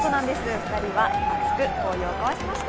２人は熱く抱擁を交わしました。